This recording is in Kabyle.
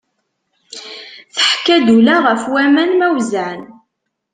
Teḥka-d ula ɣef aman ma wezzɛen.